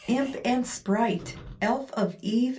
imp and sprite! Elf of eve!